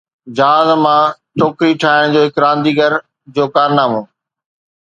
جهاز مان ٽوڪري ٺاهڻ جو هڪ رانديگر جو ڪارنامو